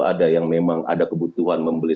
ada yang memang ada kebutuhan membeli